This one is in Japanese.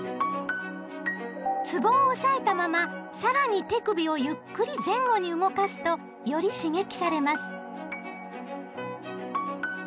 つぼを押さえたまま更に手首をゆっくり前後に動かすとより刺激されます。